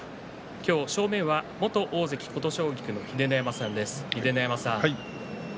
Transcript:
今日、正面は元大関琴奨菊の秀ノ山さんです。